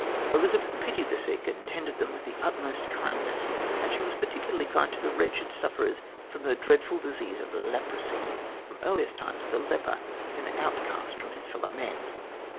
Elizabeth pitied the sick and tended them with the utmost kindness and she was particularly kind to the wretched sufferers from the dreadful disease of leprosy. From earliest times the leper was an outcast from his fellow men.